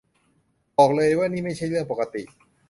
บอกเลยว่านี่ไม่ใช่เรื่องปกติ